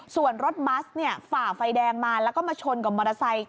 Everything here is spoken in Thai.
ส่วนรถบัสฝ่าไฟแดงมาแล้วก็มาชนกับมอเตอร์ไซค์